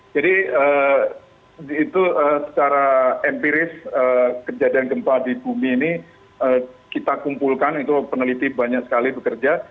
jadi itu secara empiris kejadian gempa di bumi ini kita kumpulkan itu peneliti banyak sekali bekerja